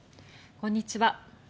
こんにちは。